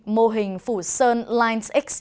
mô hình phủ sơn lines x